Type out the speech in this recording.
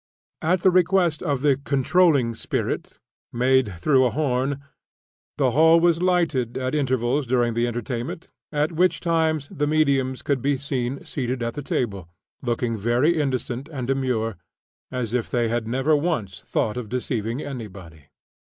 At the request of the "controlling spirit," made through a horn, the hall was lighted at intervals during the entertainment, at which times the mediums could be seen seated at the table, looking very innocent and demure, as if they had never once thought of deceiving anybody.